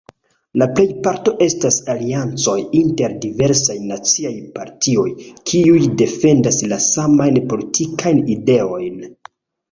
La plejparto estas aliancoj inter diversajn naciaj partioj, kiuj defendas la samajn politikajn ideojn.